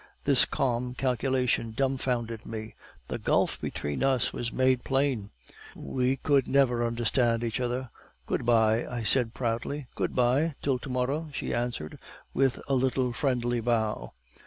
"This calm calculation dumfounded me. The gulf between us was made plain; we could never understand each other. "'Good bye,' I said proudly. "'Good bye, till to morrow,' she answered, with a little friendly bow.